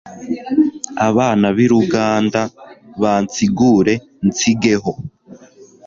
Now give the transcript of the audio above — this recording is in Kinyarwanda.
Abana b'i Ruganda bansigure nsigeho.